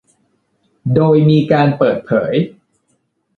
โดยมีการเปิดเผย